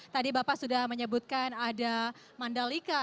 tadi bapak sudah menyebutkan ada mandalika